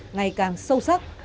ngày càng sâu sắc